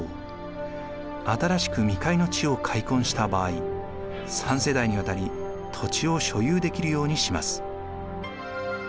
新しく未開の地を開墾した場合三世代にわたり土地を所有できるようにします。